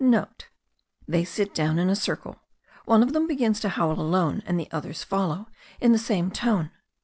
*(* They sit down in a circle, one of them begins to howl alone and the others follow in the same tone.